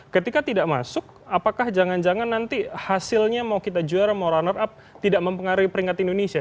ketika tidak masuk apakah jangan jangan nanti hasilnya mau kita juara mau runner up tidak mempengaruhi peringkat indonesia